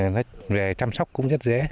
nó trăm sóc cũng rất dễ